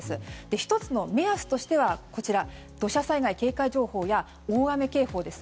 １つの目安としては土砂災害警戒情報や大雨警報です。